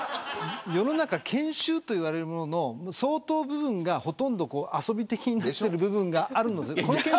世の中、研修と言われるものの相当部分がほとんど遊び的になっている部分があるんです。